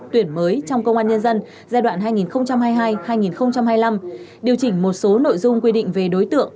tuyển mới trong công an nhân dân giai đoạn hai nghìn hai mươi hai hai nghìn hai mươi năm điều chỉnh một số nội dung quy định về đối tượng